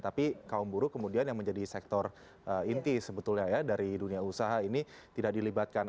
tapi kaum buruh kemudian yang menjadi sektor inti sebetulnya ya dari dunia usaha ini tidak dilibatkan